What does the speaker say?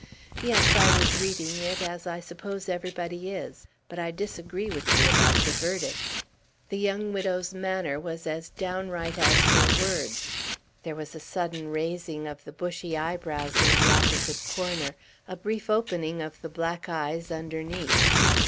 "Yes, I was reading it, as I suppose everybody is. But I disagree with you about the verdict." The young widow's manner was as downright as her words. There was a sudden raising of the bushy eyebrows in the opposite corner, a brief opening of the black eyes underneath.